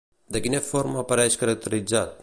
De quina forma apareix caracteritzat?